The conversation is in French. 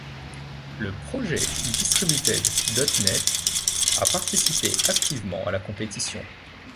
Le projet distributed.net, a participé activement à la compétition.